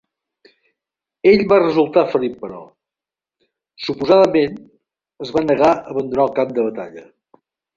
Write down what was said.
Ell va resultar ferit però, suposadament, es va negar a abandonar el camp de batalla.